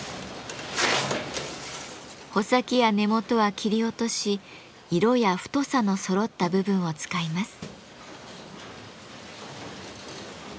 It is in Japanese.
穂先や根元は切り落とし色や太さのそろった部分を使います。